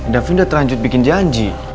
davin udah terancut bikin janji